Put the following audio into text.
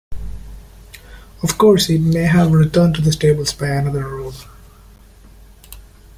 Of course, it may have returned to the stables by another road.